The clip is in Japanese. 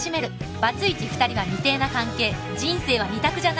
『バツイチ２人は未定な関係人生は二択じゃない！